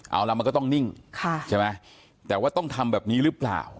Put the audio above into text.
เอาล่ะมันก็ต้องนิ่งใช่ไหมแต่ว่าต้องทำแบบนี้หรือเปล่า